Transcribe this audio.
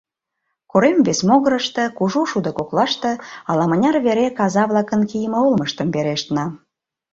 Корем вес могырышто, кужу шудо коклаште, ала-мыняр вере каза-влакын кийыме олмыштым верештна.